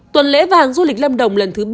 tuần lễ vàng du lịch lâm đồng lần thứ ba